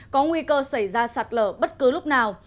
có nguy cơ xảy ra sạt lở bất cứ lúc nào